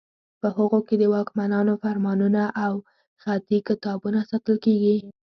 په هغو کې د واکمنانو فرمانونه او خطي کتابونه ساتل کیږي.